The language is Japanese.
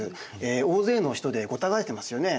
大勢の人でごった返してますよね。